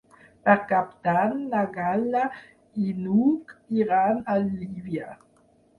Per Cap d'Any na Gal·la i n'Hug iran a Llívia.